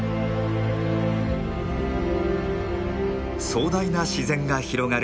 壮大な自然が広がる